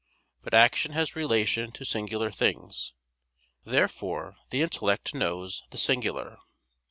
But action has relation to singular things. Therefore the intellect knows the singular.